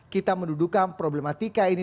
kita mendudukan problematika ini